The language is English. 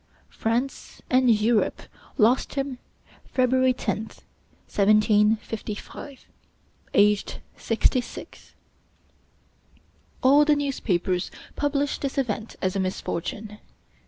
France and Europe lost him February 10th, 1755, aged sixty six. All the newspapers published this event as a misfortune.